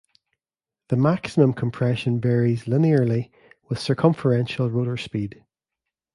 The maximum compression varies linearly with circumferential rotor speed.